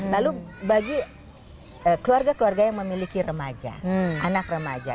lalu bagi keluarga keluarga yang memiliki remaja anak remaja